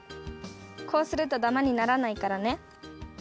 こうするとダマにならないからね。